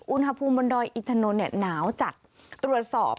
อุณหภูมิบนดอยอินถนนเนี่ยหนาวจัดตรวจสอบ